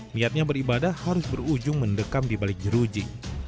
niatnya beribadah harus berujung mendekam di balik jeruji